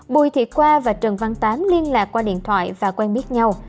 bùi thị khoa và trần văn tám liên lạc qua điện thoại và quen biết nhau